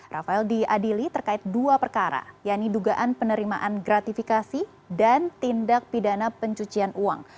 rafael diadili terkait dua perkara yaitu dugaan penerimaan gratifikasi dan tindak pidana pencucian uang